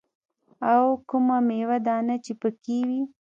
او کومه ميوه دانه چې پکښې وي.